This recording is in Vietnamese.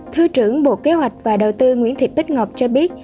thư trưởng bộ kế hoạch và đầu tư nguyễn thị bích ngọc cho biết